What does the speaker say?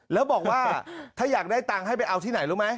แล้วบอกว่าถ้าอยากได้ตังค์ให้ไปเอาที่ไหนรู้ไหม